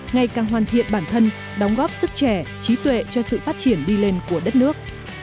ngày càng hoàn thiện bản thân đóng góp sức trẻ trí tuệ cho sự phát triển đi lên của đất nước